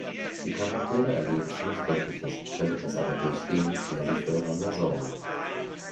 Die Charaktere erleben viel Schreckliches, können es aber durchstehen, weil sie füreinander sorgen.